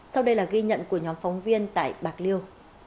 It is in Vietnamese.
sau đây là ghi nhận của nhóm phóng viên tại bạc liêu